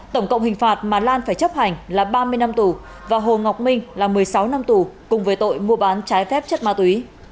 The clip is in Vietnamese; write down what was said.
tổng cộng hình phạt mà lan phải chấp hành là ba mươi năm tù